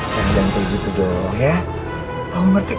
sayang jangan kayak gitu dong ya